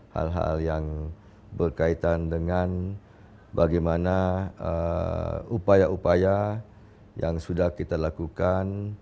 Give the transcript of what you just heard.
hal hal yang berkaitan dengan bagaimana upaya upaya yang sudah kita lakukan